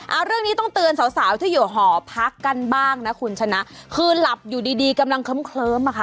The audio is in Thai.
เอาเรื่องนี้ต้องเตือนสาวสาวที่อยู่หอพักกันบ้างนะคุณชนะคือหลับอยู่ดีดีกำลังเคลิ้มอ่ะค่ะ